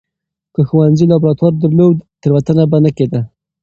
که ښوونځي لابراتوار درلود، تېروتنه به نه کېده.